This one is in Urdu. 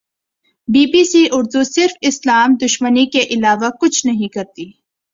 بی بی سی اردو صرف اسلام دشمنی کے علاوہ کچھ نہیں کرتی